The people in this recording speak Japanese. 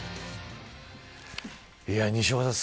西岡さん